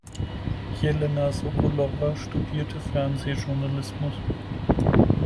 Jelena Sokolowa studierte Fernsehjournalismus.